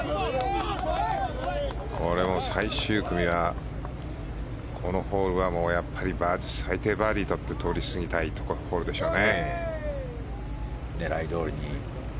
これも最終組はこのホールはもうやっぱり最低、バーディーを取って通り過ぎたいホールでしょうね。